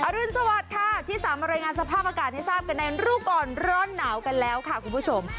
รุนสวัสดิ์ค่ะที่สามรายงานสภาพอากาศให้ทราบกันในรู้ก่อนร้อนหนาวกันแล้วค่ะคุณผู้ชม